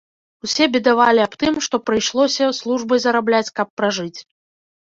Усё бедавалі аб тым, што прыйшлося службай зарабляць, каб пражыць.